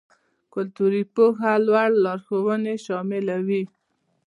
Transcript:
کلتوري پوهه لوړ لارښوونې شاملوي.